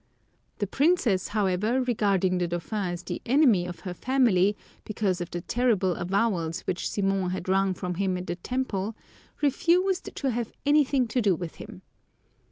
The princess, however, regarding the dauphin as the enemy of her family, because of the terrible avowals which Simon had wrung from him in the Temple, refused to have anything to do with him.